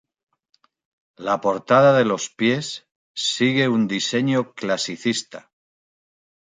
La portada de los pies sigue un diseño clasicista.